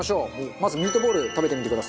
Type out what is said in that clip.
まずミートボール食べてみてください。